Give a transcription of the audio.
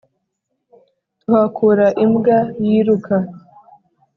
Tuhakura imbwa yiruka